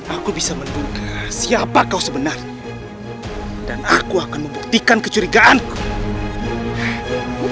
aku akan mencoba mencoba mengapa kau selalu membuka pihak karmel theorian tangible